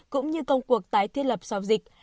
cũng như công cuộc tái thiết lập sau dịch